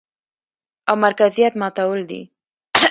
او مرکزيت ماتول دي،